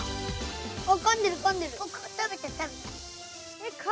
あっ、かんでる、かんでる。